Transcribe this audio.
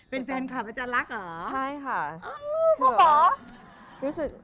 เป็นไฟนคลับอาจารย์รักเหรอ